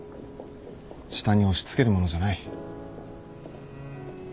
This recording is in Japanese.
下に押し付けるものじゃない。